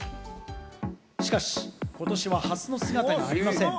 しかしことしはハスの姿がありません。